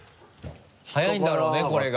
速いんだろうねこれが。